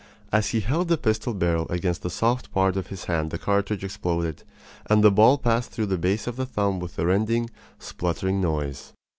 As he held the pistol barrel against the soft part of his hand the cartridge exploded, and the ball passed through the base of the thumb with a rending, spluttering noise.